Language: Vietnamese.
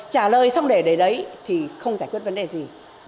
trả lời xong để đấy thì không giải quyết vấn đề gì